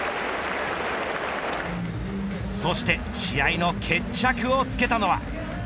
そして試合の決着をつけたのは。